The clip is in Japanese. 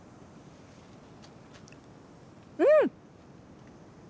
うん！